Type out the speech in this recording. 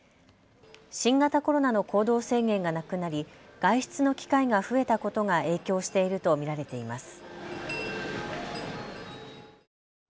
新型コロナの行動制限がなくなり外出の機会が増えたことが影響していると見られています。